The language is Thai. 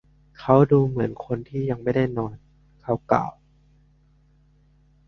“เขาดูเหมือนคนยังไม่ได้นอน” เขากล่าว